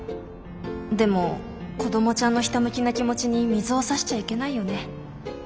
でも子どもちゃんのひたむきな気持ちに水を差しちゃいけないよね。